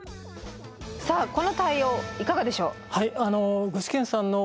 さあこの対応いかがでしょう？